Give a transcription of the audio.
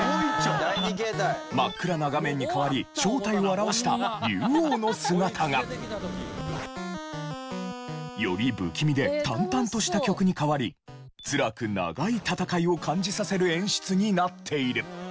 真っ暗な画面に変わり正体を表した竜王の姿が。より不気味で淡々とした曲に変わりつらく長い戦いを感じさせる演出になっている。